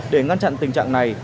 để ngăn chặn tình trạng này